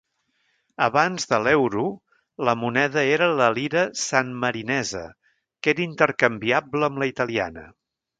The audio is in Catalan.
Abans de l'euro, la moneda era la lira sanmarinesa, que era intercanviable amb la italiana.